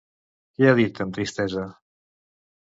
Què ha dit, amb tristesa?